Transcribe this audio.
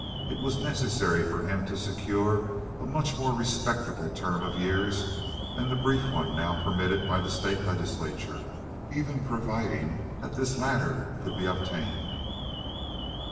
it was necessary for him to secure a much more respectable term of years than the brief one now permitted by the state legislature, even providing that this latter could be obtained.